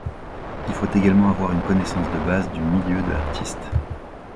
Il faut également avoir une connaissance de base du milieu de l'artiste.